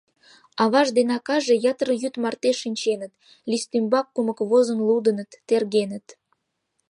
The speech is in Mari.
Аваж ден акаже ятыр йӱд марте шинченыт, лист ӱмбак кумык возын лудыныт, тергеныт.